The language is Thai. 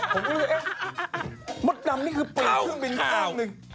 ผมไม่รู้ว่ามดดำนี่คือเปลี่ยนเครื่องบินข้างหนึ่ง